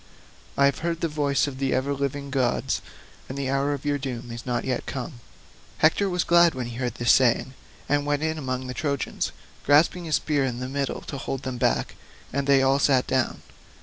I have heard the voice of the ever living gods, and the hour of your doom is not yet come." Hector was glad when he heard this saying, and went in among the Trojans, grasping his spear by the middle to hold them back, and they all sat down.